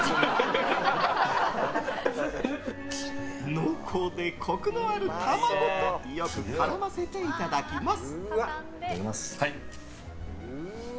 濃厚でコクのある卵とよく絡ませていただきます。